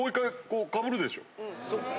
そっか。